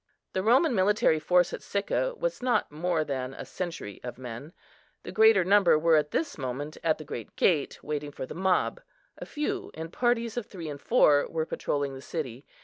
The Roman military force at Sicca was not more than a century of men; the greater number were at this moment at the great gate, waiting for the mob; a few, in parties of three and four, were patrolling the city.